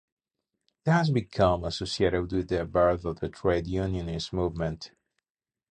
It has become associated with the birth of the trade unionist movement.